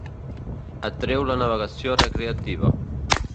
Atreu la navegació recreativa.